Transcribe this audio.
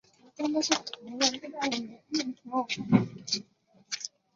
其自然栖息地为亚热带或热带的湿润低地森林。